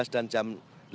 dan jam delapan belas